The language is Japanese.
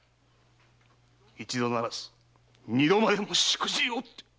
一度ならず二度までもしくじりおって！